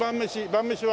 晩飯は？